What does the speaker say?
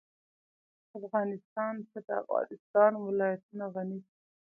افغانستان په د افغانستان ولايتونه غني دی.